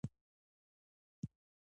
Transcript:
پرون چارواکي معصوم ښکارېدل.